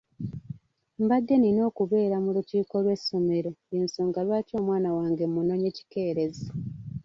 Mbadde nina okubeera mu lukiiko lw'essomero y'ensonga lwaki omwana wange mmunonye kikeerezi.